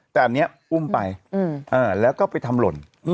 แต่อันนี้อุ้มไปแล้วก็ไปทำหล่น